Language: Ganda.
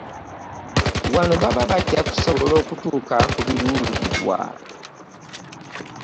Wano baba bajja kusobola okutuuka ku biruubirirwa.